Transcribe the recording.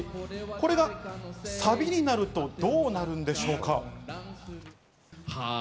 これがサビになるとどうなるんでしょうか。